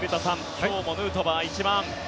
今日もヌートバーが１番。